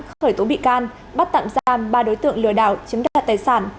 khởi tố bị can bắt tạm giam ba đối tượng lừa đảo chứng đạt tài sản